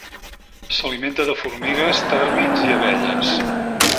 S'alimenta de formigues, tèrmits i abelles.